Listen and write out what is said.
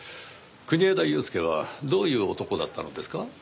国枝祐介はどういう男だったのですか？